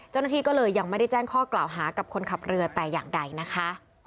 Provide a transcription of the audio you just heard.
เจ้าหน้าที่ก็เลยยังไม่ได้แจ้งข้อกล่าวหากับคนขับเรือแต่อย่างใดนะคะ